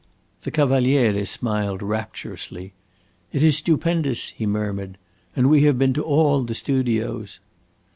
The Cavaliere smiled rapturously. "It is stupendous!" he murmured. "And we have been to all the studios."